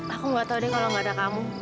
aku enggak tahu deh kalau enggak ada kamu